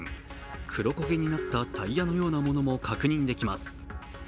黒焦げになったタイヤのようなものも確認できます。